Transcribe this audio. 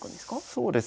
そうですね。